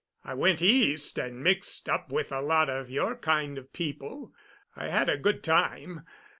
I went East and mixed up with a lot of your kind of people. I had a good time.